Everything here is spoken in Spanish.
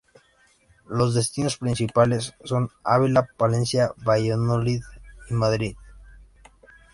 Los destinos principales son Ávila, Palencia, Valladolid y Madrid.